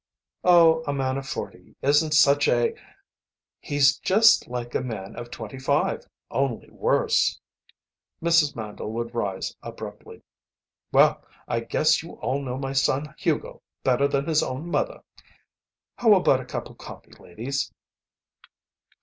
"Oh, a man of forty isn't such a " "He's just like a man of twenty five only worse." Mrs. Mandle would rise, abruptly. "Well, I guess you all know my son Hugo better than his own mother. How about a cup of coffee, ladies?"